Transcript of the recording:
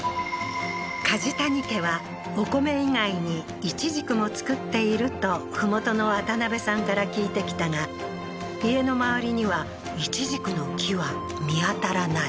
梶谷家はお米以外にいちじくも作っていると麓の渡辺さんから聞いてきたが家の周りにはいちじくの木は見当たらない